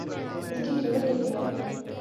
اس کی قیمت کتنی ہے